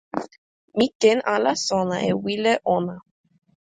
mi ken ala sona e wile ona.